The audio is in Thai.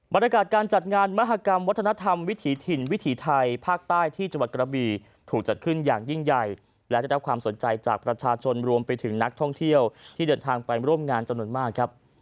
บรรยากาศการจัดงานมหากรรมวัฒนธรรมวิถีถิ่นวิถีไทยภาคใต้ที่จังหวัดกระบีถูกจัดขึ้นอย่างยิ่งใหญ่และได้รับความสนใจจากประชาชนรวมไปถึงนักท่องเที่ยวที่เดินทางไปร่วมงานจำนวนมากครับ